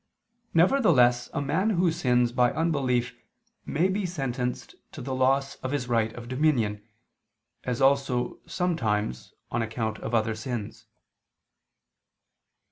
Nevertheless a man who sins by unbelief may be sentenced to the loss of his right of dominion, as also, sometimes, on account of other sins.